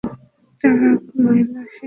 খুব চালাক মহিলা সে।